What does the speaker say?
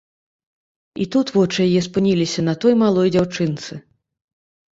І тут вочы яе спыніліся на той малой дзяўчынцы.